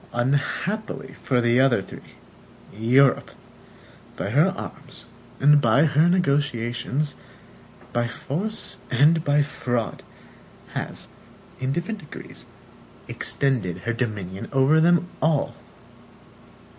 Unhappily for the other three, Europe, by her arms and by her negotiations, by force and by fraud, has, in different degrees, extended her dominion over them all.